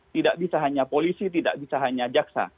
tidak bisa hanya polisi tidak bisa hanya jaksa